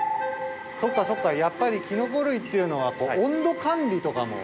そっかそっかやっぱりきのこ類っていうのは温度管理とかも。